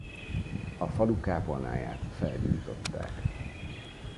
A falu kápolnáját felgyújtották.